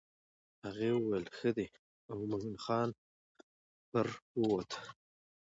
هغې وویل ښه دی او مومن خان پر ووت.